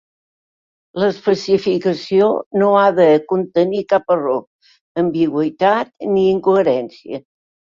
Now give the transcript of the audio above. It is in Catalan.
L'especificació no ha de contenir cap error, ambigüitat ni incoherència.